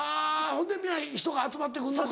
ほんで皆人が集まってくんのか。